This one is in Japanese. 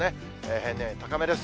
平年より高めです。